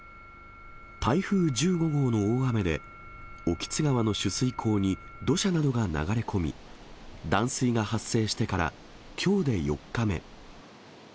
台風１５号の大雨で、興津川の取水口に土砂などが流れ込み、断水が発生してから、きょうで４日目。